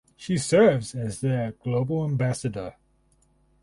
She serves as their Global Ambassador.